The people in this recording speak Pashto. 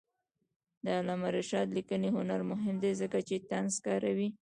د علامه رشاد لیکنی هنر مهم دی ځکه چې طنز کاروي.